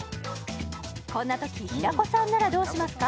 こんなとき平子さんならどうしますか？